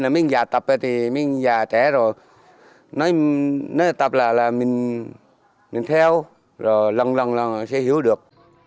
mình già tập thì mình già trẻ rồi nói tập là mình theo rồi lần lần sẽ hiểu được